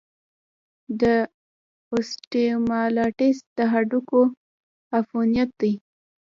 د اوسټیومایلايټس د هډوکو عفونت دی.